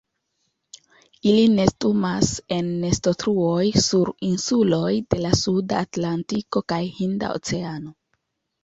Ili nestumas en nestotruoj sur insuloj de la Suda Atlantiko kaj Hinda Oceano.